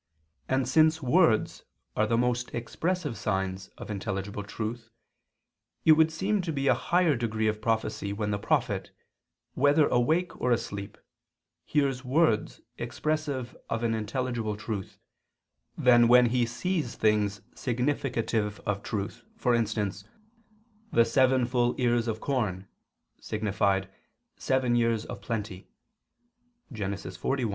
And since words are the most expressive signs of intelligible truth, it would seem to be a higher degree of prophecy when the prophet, whether awake or asleep, hears words expressive of an intelligible truth, than when he sees things significative of truth, for instance "the seven full ears of corn" signified "seven years of plenty" (Gen. 41:22, 26).